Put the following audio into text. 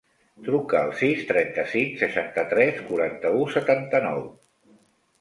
Truca al sis, trenta-cinc, seixanta-tres, quaranta-u, setanta-nou.